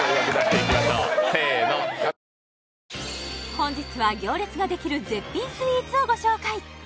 本日は行列ができる絶品スイーツをご紹介